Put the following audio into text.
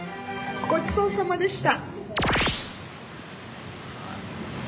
ごちそうさまでした。